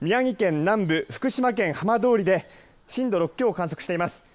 宮城県南部、福島県浜通りで震度６強を観測しています。